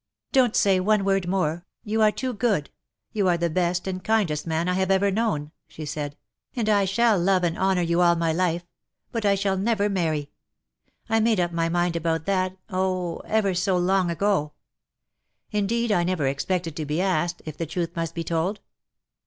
" Don't say one word more — you are too good — you are the best and kindest man I have ever known V* she said, " and I shall love and honour you all my life ; but I shall never marry ! I made up my mind about that, oh ! ever so long ago. Indeed, I never expected to be asked, if the truth must be told.'